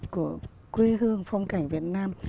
của quê hương phong cảnh việt nam